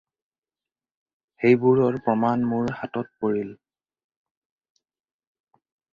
সেইবোৰৰ প্ৰমাণ মোৰ হাতত পৰিল।